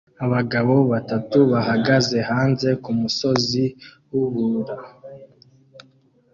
Abagabo batatu bahagaze hanze kumusozi wubura